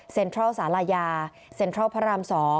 ทรัลสาลายาเซ็นทรัลพระราม๒